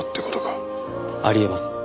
あり得ます。